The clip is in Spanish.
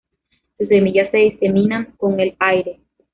Sus semillas se diseminan con el aire.